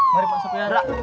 mari pak sopiara